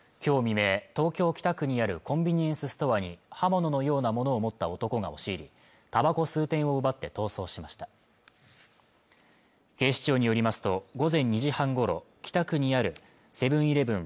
今日未明東京・北区にあるコンビニエンスストアに刃物のようなものを持った男が押し入りたばこを数点を奪って逃走しました警視庁によりますと午前２時半ごろ北区にあるセブンイレブン